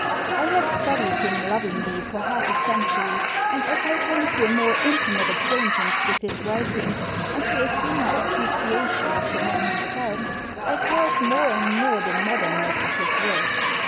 I have studied him lovingly for half a century, and as I came to a more intimate acquaintance with his writings and to a keener appreciation of the man himself, I felt more and more the modernness of his work.